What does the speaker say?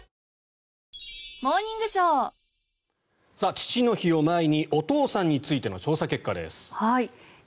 父の日を前にお父さんについての調査結果です。